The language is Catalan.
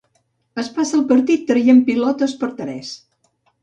Es passa el partit traient pilotes per tres.